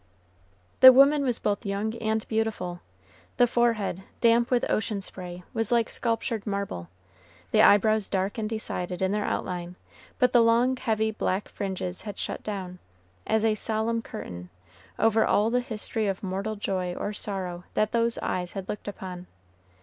The woman was both young and beautiful. The forehead, damp with ocean spray, was like sculptured marble, the eyebrows dark and decided in their outline; but the long, heavy, black fringes had shut down, as a solemn curtain, over all the history of mortal joy or sorrow that those eyes had looked upon.